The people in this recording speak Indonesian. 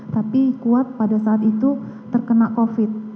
tapi kuat pada saat itu terkena covid